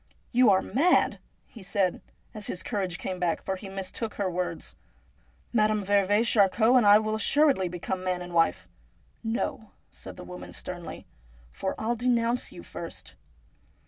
' You are mad !' he said, as his courage came back, for he mistook her words. ' Madame veuve Charcot and I will assuredly become man and wife.' ' No,' said the woman sternly, ' for I'll denounce you first.'